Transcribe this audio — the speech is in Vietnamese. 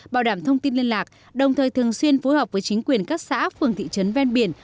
bảo đảm thông tin liên lạc đồng thời thường xuyên phối hợp với chính quyền các xã phường thị trấn ven biển